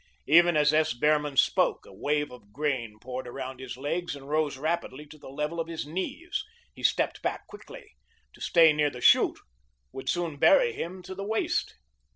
Even as S. Behrman spoke, a wave of grain poured around his legs and rose rapidly to the level of his knees. He stepped quickly back. To stay near the chute would soon bury him to the waist.